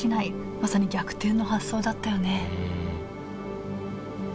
まさに逆転の発想だったよねうん！